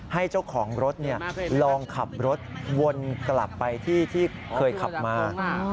ให้เจ้าของรถลองขับรถวนกลับไปที่ที่เคยขับมา